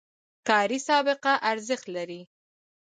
کاري سابقه ارزښت لري